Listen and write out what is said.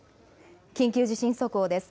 緊急地震速報です。